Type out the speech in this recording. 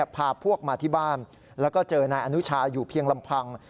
พาพวกมาที่บ้านแล้วก็เจอนายอนุชาอยู่เพียงลำพัง